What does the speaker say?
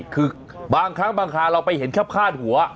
คือบางครั้งบางคราวเราไปเห็นแค่คาดหัว